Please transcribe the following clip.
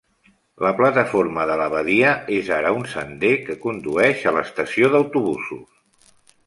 La plataforma de la badia és ara un sender que condueix a l'estació d'autobusos.